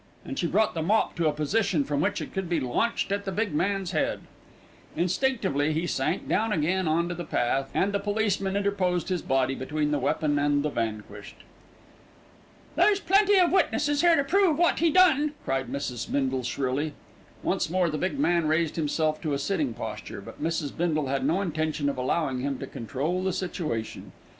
and she brought the mop to a position from which it could be launched at the big man's head. Instinctively he sank down again on to the path, and the policeman interposed his body between the weapon and the vanquished. "There's plenty of witnesses here to prove what he done," cried Mrs. Bindle shrilly. Once more the big man raised himself to a sitting posture; but Mrs. Bindle had no intention of allowing him to control the situation.